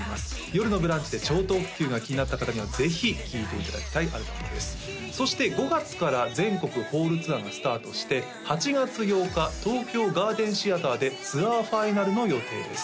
「よるのブランチ」で超特急が気になった方にはぜひ聴いていただきたいアルバムですそして５月から全国ホールツアーがスタートして８月８日東京ガーデンシアターでツアーファイナルの予定です